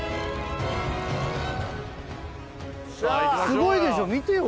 すごいでしょ見てよ